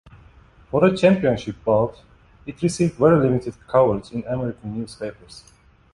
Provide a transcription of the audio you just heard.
For a championship bout, it received very limited coverage in American newspapers.